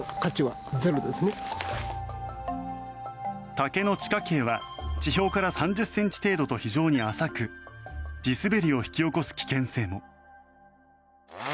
竹の地下茎は地表から３０ｃｍ程度と非常に浅く地滑りを引き起こす危険性も。